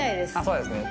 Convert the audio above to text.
そうですね。